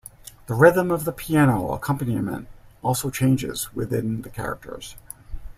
The rhythm of the piano accompaniment also changes within the characters.